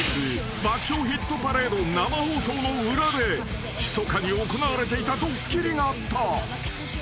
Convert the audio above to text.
『爆笑ヒットパレード』生放送の裏でひそかに行われていたドッキリがあった］